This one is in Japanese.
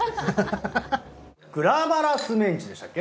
グラマラスメンチでしたっけ？